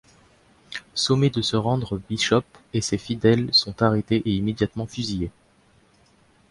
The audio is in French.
Sommés de se rendre, Bishop et ses fidèles sont arrêtés et immédiatement fusillés.